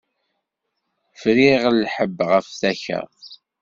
Friɣ lḥebb ɣef takka.